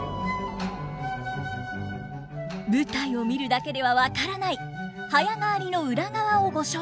舞台を見るだけでは分からない早替わりの裏側をご紹介したり。